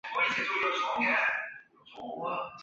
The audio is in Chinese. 翻开断砖来，有时会遇见蜈蚣